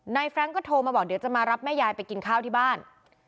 แฟรงค์ก็โทรมาบอกเดี๋ยวจะมารับแม่ยายไปกินข้าวที่บ้าน